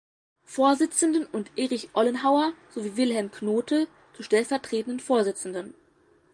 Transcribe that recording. Vorsitzenden und Erich Ollenhauer sowie Wilhelm Knothe zu stellvertretenden Vorsitzenden.